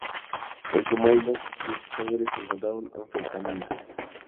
En su maillot y en su sangre se encontraron anfetaminas.